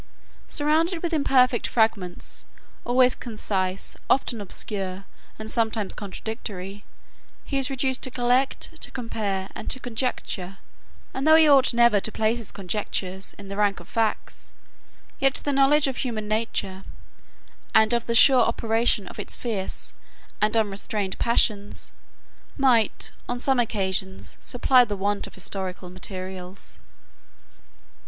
Surrounded with imperfect fragments, always concise, often obscure, and sometimes contradictory, he is reduced to collect, to compare, and to conjecture: and though he ought never to place his conjectures in the rank of facts, yet the knowledge of human nature, and of the sure operation of its fierce and unrestrained passions, might, on some occasions, supply the want of historical materials.